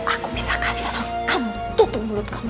aku bisa kasih asal kamu tutup mulut kamu